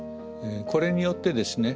これによってですね